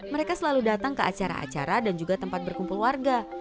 mereka selalu datang ke acara acara dan juga tempat berkumpul warga